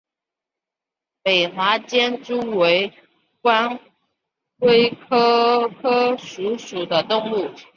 平滑间蛛为光盔蛛科间蛛属的动物。